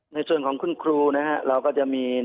ในส่วนของคุณครูนะฮะเราก็จะมี